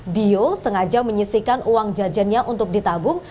dio sengaja menyisikan uang jajannya untuk ditabung